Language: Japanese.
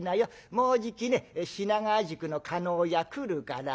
もうじきね品川宿の叶屋来るからね。